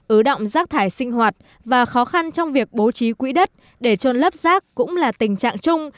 ứ động rác thải sinh hoạt và khó khăn trong việc bố trí quỹ đất để trôn lấp rác cũng là tình trạng chung